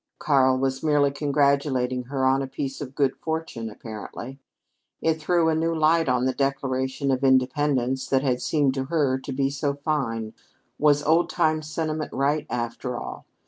Karl was merely congratulating her on a piece of good fortune, apparently. It threw a new light on the declaration of independence that had seemed to her to be so fine. Was old time sentiment right, after all?